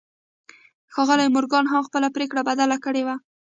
ښاغلي مورګان هم خپله پرېکړه بدله کړې وه.